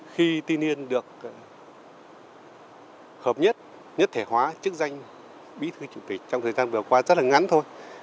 khi tiên yên được hợp nhất nhất thể hóa chức danh bí thư chủ tịch trong thời gian vừa qua rất là ngắn thôi